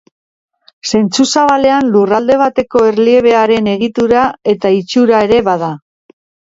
Zentzu zabalean Lurralde bateko erliebearen egitura eta itxura ere bada.